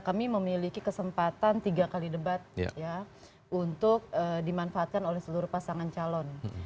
kami memiliki kesempatan tiga kali debat untuk dimanfaatkan oleh seluruh pasangan calon